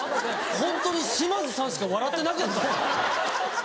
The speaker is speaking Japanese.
ホントに島津さんしか笑ってなかったです。